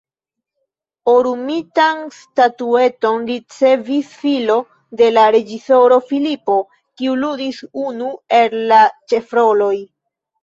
Orumitan statueton ricevis filo de la reĝisoro, Filipo, kiu ludis unu el la ĉefroloj.